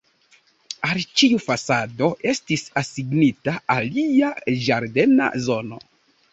Al ĉiu fasado estis asignita alia ĝardena zono.